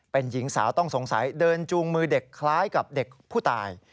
เป็นหญิงสาวต้องสงสัยเดินจูงมือเด็กคล้ายกับเด็กผู้ตาย